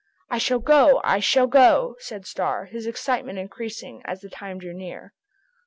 "I shall go, I shall go!" said Starr, his excitement increasing as the time drew near.